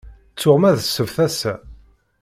Ttuɣ ma d ssebt assa.